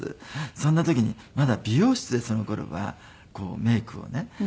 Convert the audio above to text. そんな時にまだ美容室でその頃はメイクをね